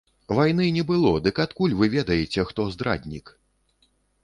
Вайны не было, дык адкуль вы ведаеце, хто здраднік?